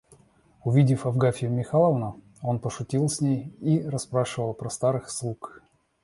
Увидав Агафью Михайловну, он пошутил с ней и расспрашивал про старых слуг.